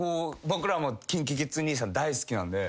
僕らもＫｉｎＫｉＫｉｄｓ兄さん大好きなんで。